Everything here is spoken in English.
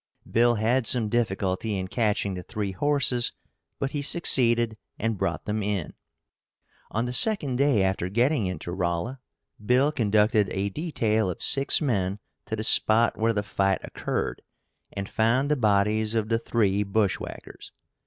Bill had some difficulty in catching the three horses, but he succeeded and brought them in. On the second day after getting into Rolla, Bill conducted a detail of six men to the spot where the fight occurred, and found the bodies of the three bushwhackers.